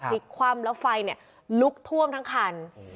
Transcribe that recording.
พลิกคว่ำแล้วไฟลุกท่วมทั้งคัน